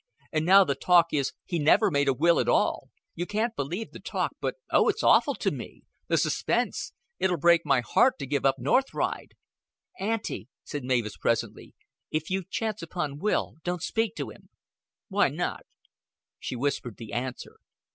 And now the talk is he never made a will at all. You can't believe the talk. But, oh, it's awful to me. The suspense! It'll break my heart to give up North Ride." "Auntie," said Mavis presently; "if you chance upon Will, don't speak to him." "Why not?" She whispered the answer.